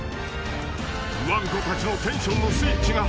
［わんこたちのテンションのスイッチが入る